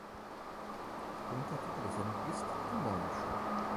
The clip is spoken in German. Untertitel der Sendung ist "Die Morning-Show".